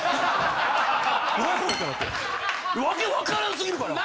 訳わからんすぎるから。